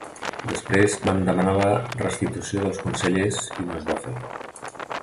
Després vam demanar la restitució dels consellers i no es va fer.